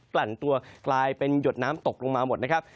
ลั่นตัวกลายเป็นหยดน้ำตกลงมาหมดนะครับ